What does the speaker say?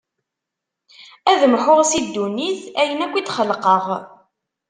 Ad mḥuɣ si ddunit ayen akk i d-xelqeɣ.